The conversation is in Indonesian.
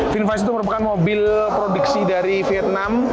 finfast itu merupakan mobil produksi dari vietnam